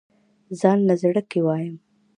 ځانله زړۀ کښې وايم